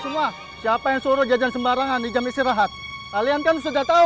semua siapa yang suruh jajan sembarangan di jam istirahat kalian kan sudah tahu